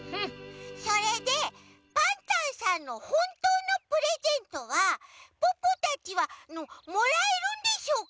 それでパンタンさんのほんとうのプレゼントはポッポたちはもらえるんでしょうか？